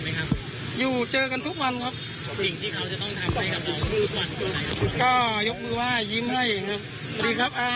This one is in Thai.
เมื่อสิบวันเป็นยังไงครับ